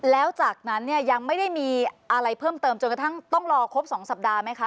แล้วจากนั้นเนี่ยยังไม่ได้มีอะไรเพิ่มเติมจนกระทั่งต้องรอครบ๒สัปดาห์ไหมคะ